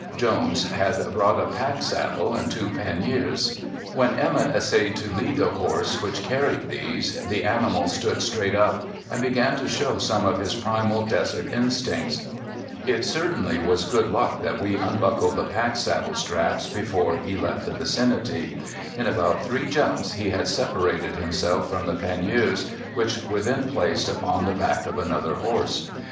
Jones had brought a packsaddle and two panniers. [Illustration: BUCKSKIN FOREST] [Illustration: BUFFALO JONES WITH SOUNDER AND RANGER] When Emett essayed to lead the horse which carried these, the animal stood straight up and began to show some of his primal desert instincts. It certainly was good luck that we unbuckled the packsaddle straps before he left the vicinity. In about three jumps he had separated himself from the panniers, which were then placed upon the back of another horse.